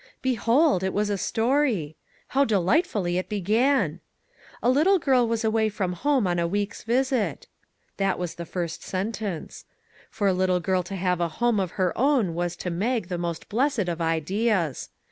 Behold ! it was a story. How delightfully it began :" A 34 ETHEL little girl was away from home on a week's visit." That was the first sentence. For a little girl to have a home of her own was to Mag the most blessed of ideas.